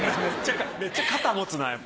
めっちゃ肩持つな。